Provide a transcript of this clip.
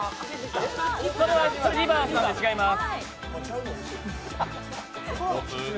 それはリバースなので違います。